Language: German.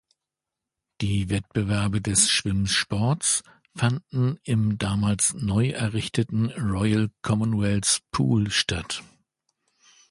Die Wettbewerbe des Schwimmsports fanden im damals neu errichteten Royal Commonwealth Pool statt.